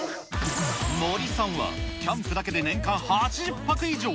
森さんはキャンプだけで年間８０泊以上。